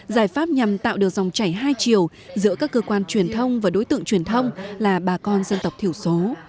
giải pháp nhằm tạo được dòng chảy hai chiều giữa các cơ quan truyền thông và đối tượng truyền thông là bà con dân tộc thiểu số